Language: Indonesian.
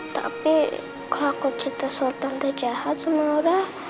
tapi kalau aku cerita soal tante jahat sama laura